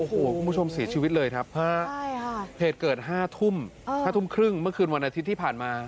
คุณผู้ชมศีรษฐ์ชีวิตเลยครับเพศเกิด๕ทุ่มครึ่งเมื่อคืนวันอาทิตย์ที่ผ่านมา